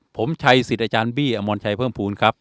ผมชัยสิทธิ์อาจารย์บี้อมรชัยเพิ่มภูมิครับ